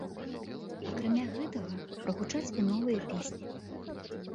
Акрамя гэтага прагучаць і новыя песні.